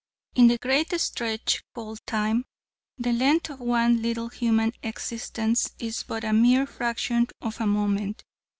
"In the great stretch called time, the length of one little human existence is but a mere fraction of a moment.